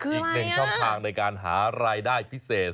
อีกหนึ่งช่องทางในการหารายได้พิเศษ